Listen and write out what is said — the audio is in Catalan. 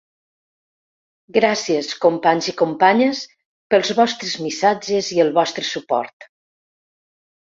Gràcies, companys i companyes, pels vostres missatges i el vostre suport!